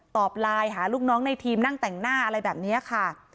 ไลน์หาลูกน้องในทีมนั่งแต่งหน้าอะไรแบบนี้ค่ะ